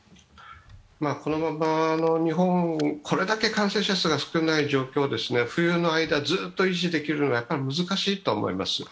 このまま日本、これだけ感染者数が少ない状況を冬の間ずっと維持できるのは難しいと思います。